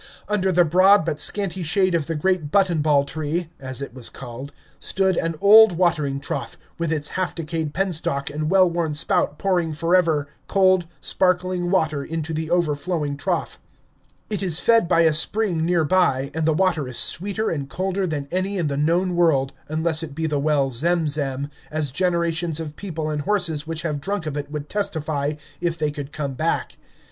Under the broad but scanty shade of the great button ball tree (as it was called) stood an old watering trough, with its half decayed penstock and well worn spout pouring forever cold, sparkling water into the overflowing trough. It is fed by a spring near by, and the water is sweeter and colder than any in the known world, unless it be the well Zem zem, as generations of people and horses which have drunk of it would testify, if they could come back.